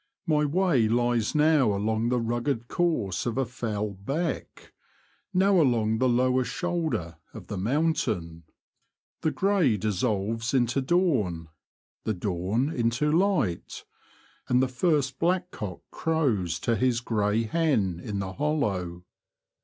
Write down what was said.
My way lies now along the rugged course of a fell ''beck," no The Confessions of a T^oacher. now along the lower shoulder of the mountain. The grey dissolves into dawn, the dawn into light, and the first blackcock crows to his grey hen in the hollow.